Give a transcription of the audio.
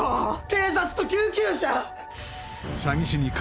警察と救急車！